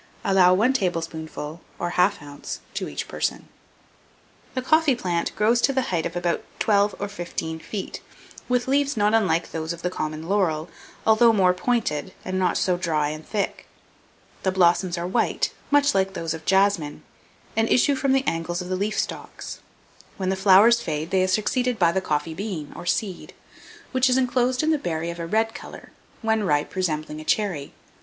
Allow 1 tablespoonful, or 1/2 oz., to each person. [Illustration: COFFEE.] THE COFFEE PLANT grows to the height of about twelve or fifteen feet, with leaves not unlike those of the common laurel, although more pointed, and not so dry and thick. The blossoms are white, much like those of jasmine, and issue from the angles of the leaf stalks. When the flowers fade, they are succeeded by the coffee bean, or seed, which is inclosed in a berry of a red colour, when ripe resembling a cherry.